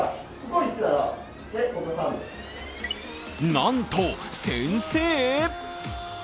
なんと、先生？